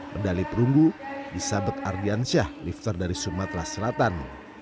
medali perunggu di sabeg ardiansyah lifter dari sumatera selatan